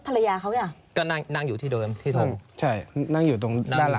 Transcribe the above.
ภรรยาเขาอ่ะก็นั่งนั่งอยู่ที่เดิมที่โทรใช่นั่งอยู่ตรงหน้าด้านหลัง